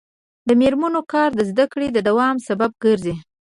د میرمنو کار د زدکړو دوام سبب ګرځي.